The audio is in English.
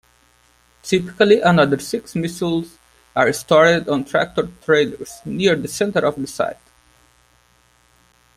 Typically another six missiles are stored on tractor-trailers near the center of the site.